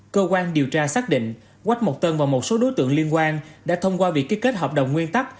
cơ quan điều tra xác định quách mộc tân và một số đối tượng liên quan đã thông qua việc ký kết hợp đồng nguyên tắc